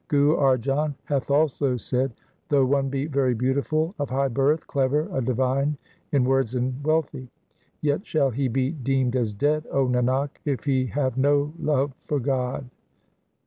Guru Arjan hath also said :— Though one be very beautiful, of high birth, clever, a divine in words and wealthy ; Yet shall he be deemed as dead, 0 Nanak, if he have no love for God.